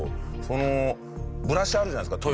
そのブラシあるじゃないですか。